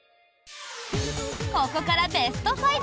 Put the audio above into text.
ここからベスト５。